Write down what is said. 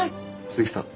鈴木さん。